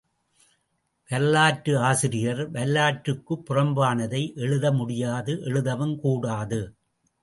வரலாற்று ஆசிரியர் வரலாற்றுக்குப் புறம்பானதை எழுத முடியாது எழுதவும் கூடாது.